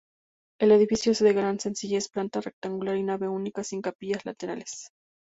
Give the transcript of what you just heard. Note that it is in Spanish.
El edificio es de gran sencillez, planta rectangular y nave única, sin capillas laterales.